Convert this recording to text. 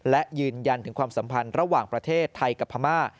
และยืนยันถึงความสัมพันธ์ระหว่างประเทศไทยกับพม่า